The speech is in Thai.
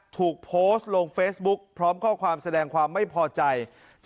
ถูกโพสต์ลงเฟซบุ๊กพร้อมข้อความแสดงความไม่พอใจ